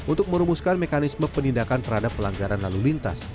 untuk merumuskan mekanisme penindakan terhadap pelanggaran lalu lintas